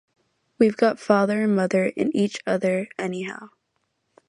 We've got father and mother, and each other, anyhow.